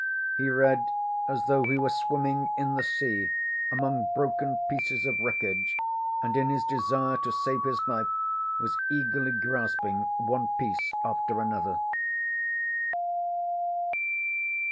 He read as though he were swimming in the sea among broken pieces of wreckage, and in his desire to save his life was eagerly grasping one piece after another.